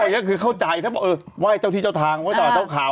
อันนี้คือเข้าใจไหว้เจ้าที่เจ้าทางไหว้เจ้าเจ้าเขา